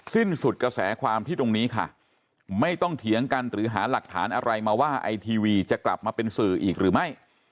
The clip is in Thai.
สิ้นสุดกระแสความที่ตรงนี้ค่ะไม่ต้องเถียงกันหรือหาหลักฐานอะไรมาว่าไอทีวีจะกลับมาเป็นสื่ออีกหรือไม่